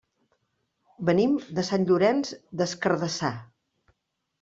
Venim de Sant Llorenç des Cardassar.